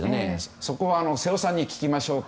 そこは瀬尾さんに聞きましょうか。